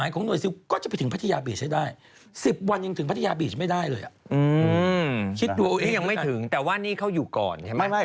คนก็ไปเล่นน้ำตรงนั้น